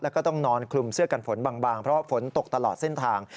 แล้วก็ต้องนอนคลุมเสื้อกันฝนบางเพราะฝนตกตลอดเส้นทาง